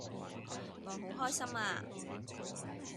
我好開心呀